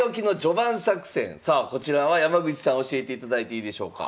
さあこちらは山口さん教えていただいていいでしょうか？